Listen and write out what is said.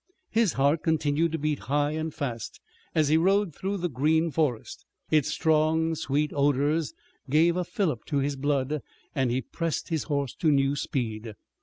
His heart continued to beat high and fast as he rode through the green forest. Its strong, sweet odors gave a fillip to his blood, and he pressed his horse to new speed.